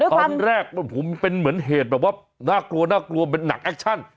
ตอนแรกผมเป็นเหมือนเหตุแบบว่าน่ากลัวหนักแอคชั่น